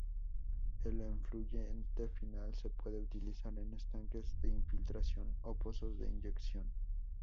El efluente final se puede utilizar en estanques de infiltración o pozos de inyección.